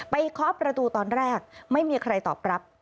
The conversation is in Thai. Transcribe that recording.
เคาะประตูตอนแรกไม่มีใครตอบรับ